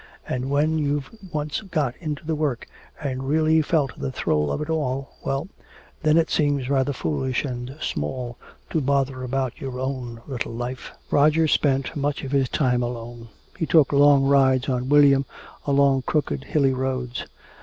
And when you've once got into the work and really felt the thrill of it all well, then it seems rather foolish and small to bother about your own little life." Roger spent much of his time alone. He took long rides on William along crooked, hilly roads.